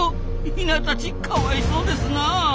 ヒナたちかわいそうですなあ。